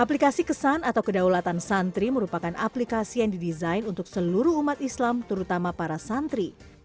aplikasi kesan atau kedaulatan santri merupakan aplikasi yang didesain untuk seluruh umat islam terutama para santri